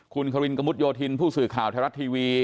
คุณครินกระมุดโยธินผู้สื่อข่าวไทยรัฐทีวี